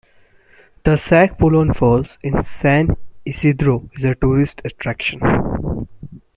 The Sagpulon Falls in San Isidro is a tourist attraction.